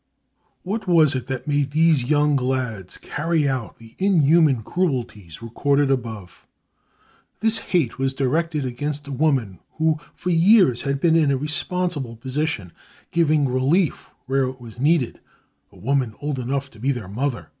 What was it that made these young lads carry out the in human cruelties recorded above and in the photograph ? This hate was directed against a woman who for years had been in a responsible position, giving relief where it was needed, a woman old enough to be their mother.